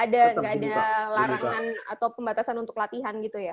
nggak ada larangan atau pembatasan untuk latihan gitu ya